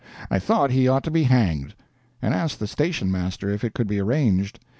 I thought he ought to be hanged, and asked the station master if it could be arranged.